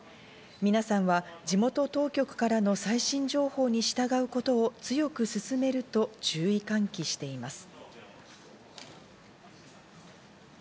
みなさんは地元当局からの最新情報に従うことを強く勧めると注意喚起しています。